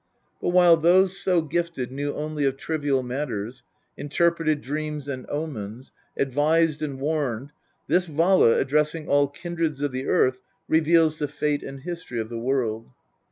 But while those so gifted knew only of trivial matters, inter preted dreams and omens, advised and warned, this Vala, addressing all kindreds of the earth, reveals the fate and history of the world.